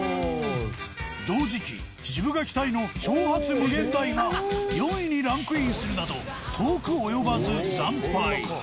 同時期シブがき隊の『挑発∞』が４位にランクインするなど遠く及ばず惨敗。